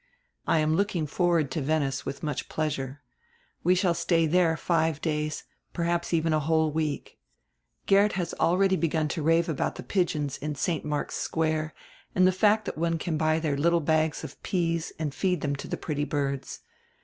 I am looking forward to Venice with much pleasure. We shall stay diere five days, perhaps even a whole week. Geert has already begun to rave about die pigeons in St. Mark's Square, and die fact tiiat one can buy there little bags of peas and feed diem to die pretty birds.